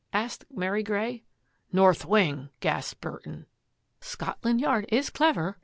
'* asked Mary Grey. " North wing/' gasped Burton. " Scotland Yard is clever.'